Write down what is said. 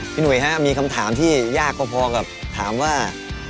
หนุ่ยฮะมีคำถามที่ยากพอกับถามว่า